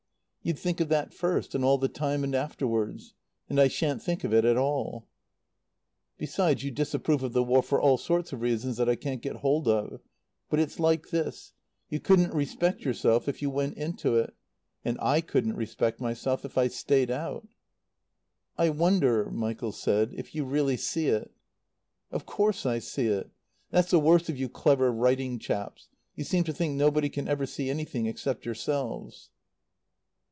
You'd think of that first and all the time and afterwards. And I shan't think of it at all. "Besides, you disapprove of the War for all sorts of reasons that I can't get hold of. But it's like this you couldn't respect yourself if you went into it; and I couldn't respect myself if I stayed out." "I wonder," Michael said, "if you really see it." "Of course I see it. That's the worst of you clever writing chaps. You seem to think nobody can ever see anything except yourselves."